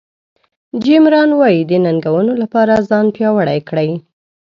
جیم ران وایي د ننګونو لپاره ځان پیاوړی کړئ.